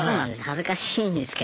恥ずかしいんですけど。